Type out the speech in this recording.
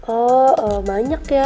oh banyak ya